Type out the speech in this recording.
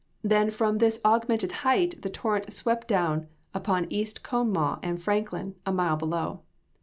Then from this augmented height the torrent swept down upon East Conemaugh and Franklin, a mile below.